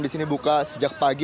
di sini buka sejak pagi